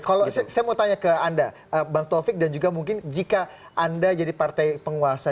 kemudian ke anda bang taufik dan juga mungkin jika anda jadi partai penguasa